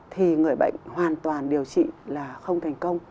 thì người bệnh hoàn toàn điều trị là không thành công